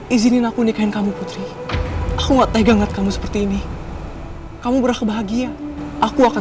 izinin aku nikahin kamu putri aku nggak tegang ngerti kamu seperti ini kamu berbahagia aku akan